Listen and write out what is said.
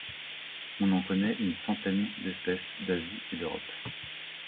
On en connait une centaine d'espèces d'Asie et d'Europe.